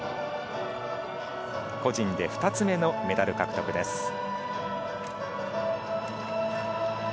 個人で２つ目のメダル獲得です。